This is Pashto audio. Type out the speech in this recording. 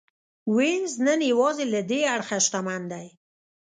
وینز نن یوازې له دې اړخه شتمن دی.